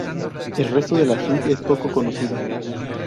El resto de la suite es poco conocido.